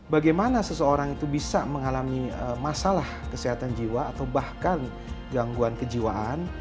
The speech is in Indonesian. bagaimana seseorang itu bisa mengalami masalah kesehatan jiwa atau bahkan gangguan kejiwaan